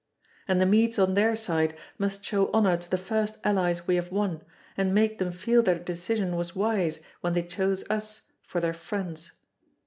And the Medes on their side must show honour to the first allies we have won, and make them feel their decision was wise when they chose us for their friends.